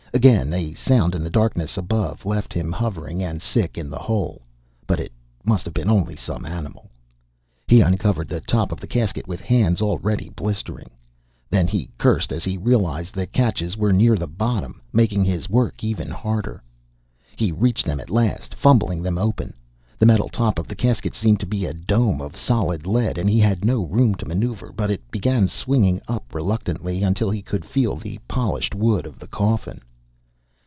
Again, a sound in the darkness above left him hovering and sick in the hole. But it must have been only some animal. He uncovered the top of the casket with hands already blistering. Then he cursed as he realized the catches were near the bottom, making his work even harder. He reached them at last, fumbling them open. The metal top of the casket seemed to be a dome of solid lead, and he had no room to maneuver, but it began swinging up reluctantly, until he could feel the polished wood of the coffin.